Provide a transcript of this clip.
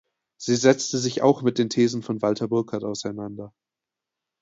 Sie setzte sich auch mit den Thesen von Walter Burkert auseinander.